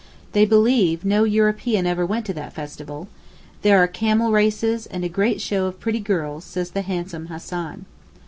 They believe no European ever went to that festival. There are camel races and a great show of pretty girls says the handsome Hassan.